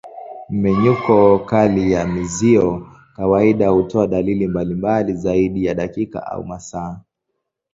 Mmenyuko kali ya mzio kawaida hutoa dalili mbalimbali zaidi ya dakika au masaa.